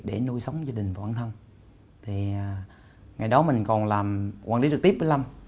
để nuôi sống gia đình và bản thân ngày đó mình còn làm quản lý trực tiếp với lâm